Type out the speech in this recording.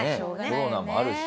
コロナもあるし。